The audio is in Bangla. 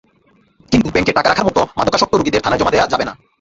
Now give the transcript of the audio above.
কিন্তু ব্যাংকে টাকা রাখার মতো মাদকাসক্ত রোগীদের থানায় জমা দেওয়া যাবে না।